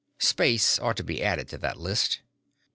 Space ought to be added to that list."